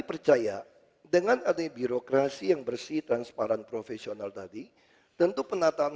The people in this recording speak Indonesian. percaya dengan adanya birokrasi yang bersih transparan profesional tadi tentu penataan